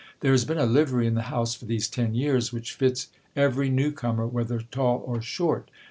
There has been a livery in the house for these ten years, which fits every new comer, whether tall or short.